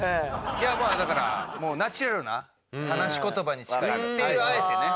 いやだからもうナチュラルな話し言葉にしたっていうあえてね。